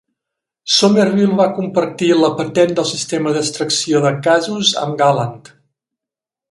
Sommerville va compartir la patent del sistema d'extracció de casos amb Galand.